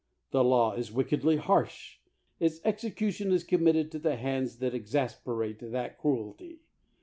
The law is wickedly harsh ; its execution is com mitted to hands that exasperate that cruelty.